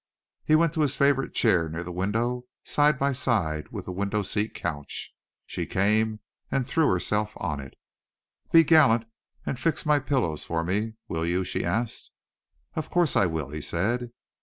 He went to his favorite chair near the window, side by side with the window seat couch. She came and threw herself on it. "Be gallant and fix my pillows for me, will you?" she asked. "Of course I will," he said.